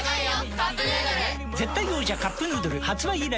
絶対王者「カップヌードル」発売以来